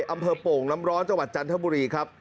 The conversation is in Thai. โป่งน้ำร้อนจังหวัดจันทบุรีครับ